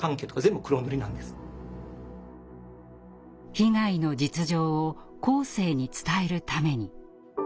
被害の実情を後世に伝えるために。